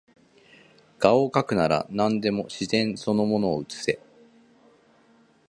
画をかくなら何でも自然その物を写せ